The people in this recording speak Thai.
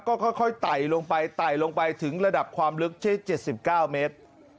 ก็ค่อยไต่ลงไปไต่ลงไปถึงระดับความลึกใช้๗๙เมตร